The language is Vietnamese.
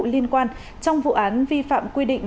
liên quan trong vụ án vi phạm quy định